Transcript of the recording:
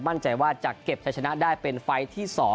มั่นใจว่าจะเก็บใช้ชนะได้เป็นไฟล์ที่๒